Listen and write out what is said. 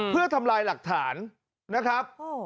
เพื่อทำลายหลักฐานนะครับ